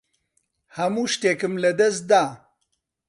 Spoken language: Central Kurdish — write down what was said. هەموو شتێکم لەدەست دا.